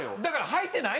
はいてない。